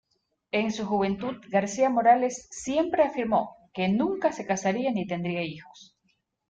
En su juventud García Morales siempre afirmó que nunca se casaría ni tendría hijos.